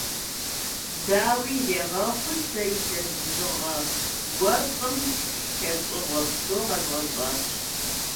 Дауи ирехъуи, сэ илъэс бжыгъэ гуэркъым – лӀэщӀыгъуэ псо къэзгъэщӀащ.